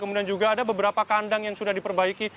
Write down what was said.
kemudian juga ada beberapa kandang yang sudah diperbaiki